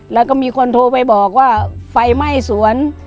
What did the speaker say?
แล้วก็มีคนโทรไปบอกว่าไฟไหม้สวน